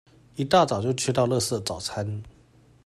一大早就吃到垃圾早餐